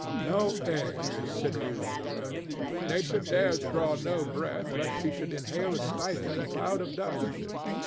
No air is stirring on the road. Nature dares draw no breath lest she should inhale a stifling cloud of dust.